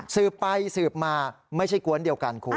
สืบไปสืบมาไม่ใช่กวนเดียวกันคุณ